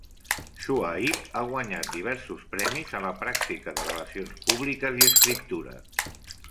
Shuaib ha guanyat diversos premis a la pràctica de relacions públiques i escriptura.